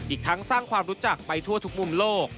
อีกทั้งสร้างความรู้จักไปทั่วทุกมุมโลก